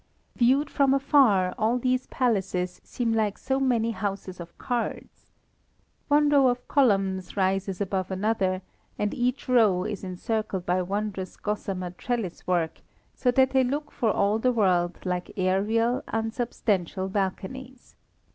Viewed from afar, all these palaces seem like so many houses of cards. One row of columns rises above another, and each row is encircled by wondrous gossamer trellis work, so that they look for all the world like aerial, unsubstantial balconies.